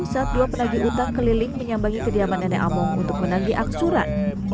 saat dua penagi utang keliling menyambangi kediaman nenek amum untuk menagi aksuran